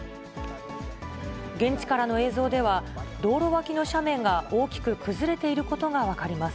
現地からの映像では、道路脇の斜面が大きく崩れていることが分かります。